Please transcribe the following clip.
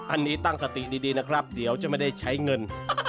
อันนี้ตั้งสติดีนะครับเดี๋ยวจะไม่ได้ใช้เงิน